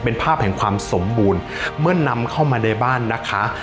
เป็นภาพแห่งความสมบูรณ์เมื่อนำเข้ามาในบ้านนะคะ